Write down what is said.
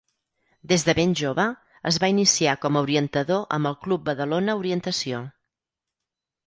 Des de ben jove es va iniciar com a orientador amb el Club Badalona Orientació.